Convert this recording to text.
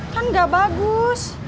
kan gak bagus